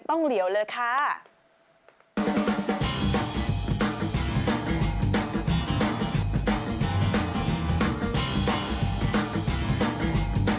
ต้องเลี่ยวแล้วค่ะ